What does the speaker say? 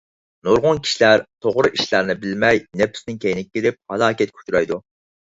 نۇرغۇن كىشىلەر توغرا ئىشلارنى بىلمەي نەپسىنىڭ كەينىگە كىرىپ، ھالاكەتكە ئۇچرايدۇ.